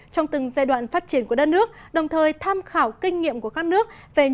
trong từng giai đoạn phát triển của đất nước đồng thời tham khảo kinh nghiệm của các nước